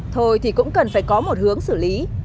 thôi thì cũng cần phải có một hướng xử lý